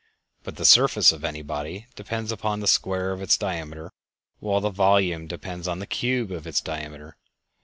But the surface of any body depends upon the square of its diameter, while the volume depends upon the cube of the diameter.